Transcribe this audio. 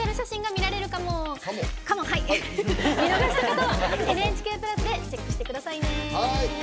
見逃した方は「ＮＨＫプラス」でチェックしてくださいね。